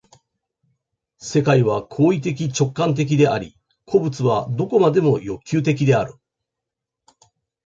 世界は行為的直観的であり、個物は何処までも欲求的である。